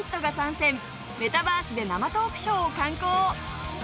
メタバースで生トークショーを敢行！